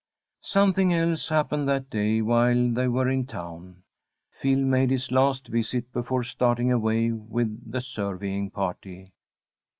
Something else happened that day while they were in town. Phil made his last visit before starting away with the surveying party.